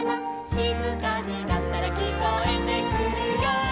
「しずかになったらきこえてくるよ」